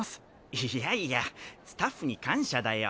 いやいやスタッフにかんしゃだよ。